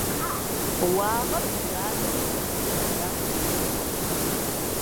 Уагъэр Ӏуданэу зэхэша кӀапсэ псыгъуэщ.